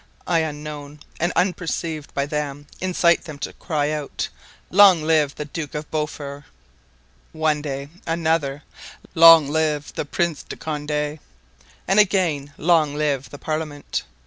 I, unknown, and unperceived by them, incite them to cry out, 'Long live the Duke de Beaufort' one day; another, 'Long live the Prince de Conde;' and again, 'Long live the parliament!